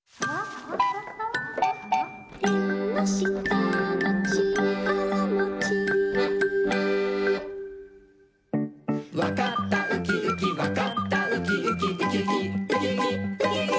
「えんのしたのちからもち」「わかったウキウキわかったウキウキ」「ウキウキウキウキウキウキ」